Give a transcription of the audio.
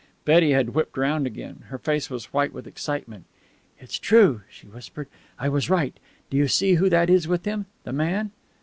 Betty had whipped round again. Her face was white with excitement. "It's true," she whispered. "I was right. Do you see who that is with him? The man?"